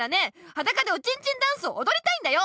はだかでおちんちんダンスをおどりたいんだよ！